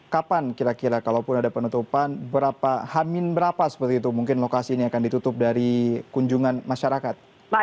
kapan kira kira kalaupun ada penutupan berapa hamin berapa seperti itu mungkin lokasi ini akan ditutup dari kunjungan masyarakat